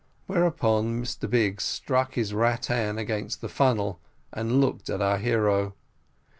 Hereupon Mr Biggs struck his rattan against the funnel, and looked at our hero.